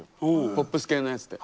ポップス系のやつで。